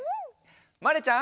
まれちゃん。